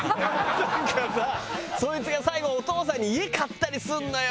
なんかさそいつが最後お父さんに家買ったりするのよ。